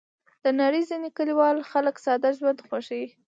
د نړۍ ځینې کلیوال خلک ساده ژوند خوښوي.